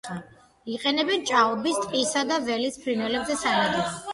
იყენებენ ჭაობის, ტყისა და ველის ფრინველზე სანადიროდ.